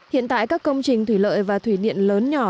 hiện tại các công trình thủy lợi và thủy điện lớn nhỏ